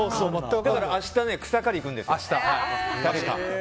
だから明日、草刈りに行くんですよ。